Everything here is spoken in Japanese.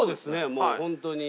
もう本当に。